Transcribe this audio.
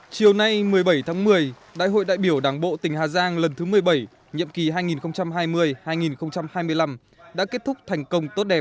chiều nay một mươi bảy tháng một mươi đại hội đại biểu đảng bộ tỉnh hà giang lần thứ một mươi bảy nhiệm kỳ hai nghìn hai mươi hai nghìn hai mươi năm đã kết thúc thành công tốt đẹp